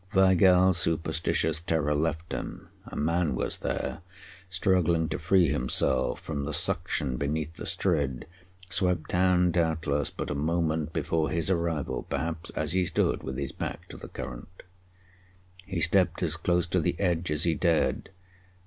Weigall's superstitious terror left him. A man was there, struggling to free himself from the suction beneath the Strid, swept down, doubtless, but a moment before his arrival, perhaps as he stood with his back to the current. He stepped as close to the edge as he dared.